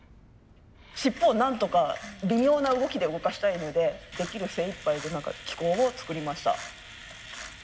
尻尾をなんとか微妙な動きで動かしたいのでできる精いっぱいで機構を作りました。